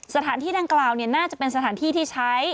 สถานที่ดังกล่าวน่าจะเป็นสถานที่ที่ใช้